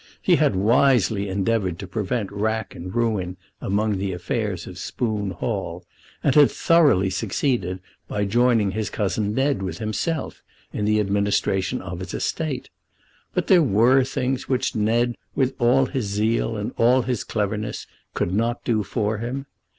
He had wisely endeavoured to prevent wrack and ruin among the affairs of Spoon Hall, and had thoroughly succeeded by joining his cousin Ned with himself in the administration of his estate, but there were things which Ned with all his zeal and all his cleverness could not do for him.